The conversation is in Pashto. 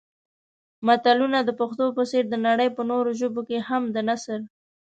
متلونه د پښتو په څېر د نړۍ په نورو ژبو کې هم د نثر